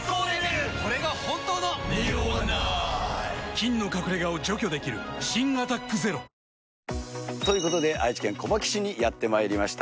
菌の隠れ家を除去できる新「アタックＺＥＲＯ」ということで、愛知県小牧市にやってまいりました。